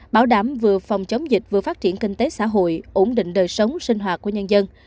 bảo đảm vừa phòng chống dịch vừa phát triển kinh tế xã hội ổn định đời sống sinh hoạt của nhân dân